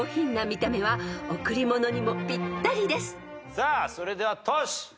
さあそれではトシ。